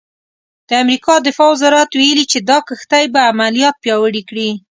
د امریکا دفاع وزارت ویلي چې دا کښتۍ به عملیات پیاوړي کړي.